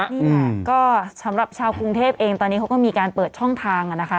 นี่แหละก็สำหรับชาวกรุงเทพเองตอนนี้เขาก็มีการเปิดช่องทางนะคะ